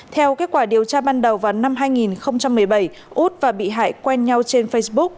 theo kết quả điều tra ban đầu vào năm hai nghìn một mươi bảy út và bị hại quen nhau trên facebook